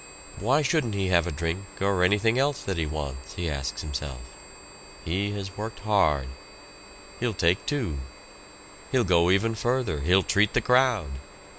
Why shouldn't he have a drink or anything else that he wants, he asks himself. He has worked hard. He'll take two. He'll go even further, he'll treat the crowd.